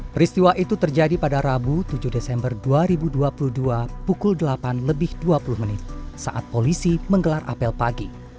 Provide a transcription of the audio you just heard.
peristiwa itu terjadi pada rabu tujuh desember dua ribu dua puluh dua pukul delapan lebih dua puluh menit saat polisi menggelar apel pagi